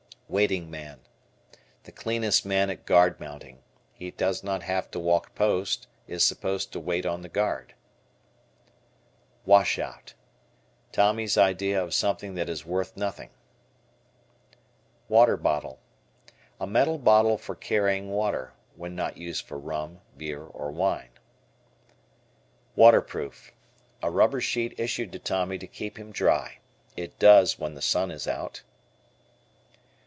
Waiting Man. The cleanest man at guard mounting. He does not have to walk post; is supposed to wait on the guard. Washout. Tommy's idea of something that is worth nothing. Water Bottle. A metal bottle for carrying water (when not used for rum, beer, or wine). Waterproof. A rubber sheet issued to Tommy to keep him dry. It does when the sun is out.